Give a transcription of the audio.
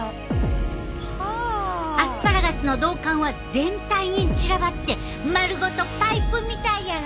アスパラガスの道管は全体に散らばって丸ごとパイプみたいやろ？